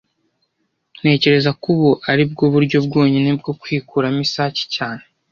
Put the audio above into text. Ntekereza ko ubu aribwo buryo bwonyine bwo kwikuramo isake cyane